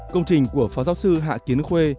công trình của phó giáo sư hạ kiến khuê